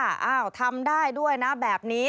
อ้าวทำได้ด้วยนะแบบนี้